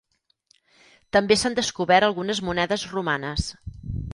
També s'han descobert algunes monedes romanes.